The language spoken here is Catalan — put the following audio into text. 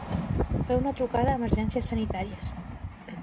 Fer una trucada a Emergències Sanitàries.